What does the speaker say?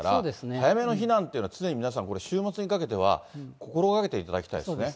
早めの避難というのは常に皆さん、週末にかけては心がけていそうですね。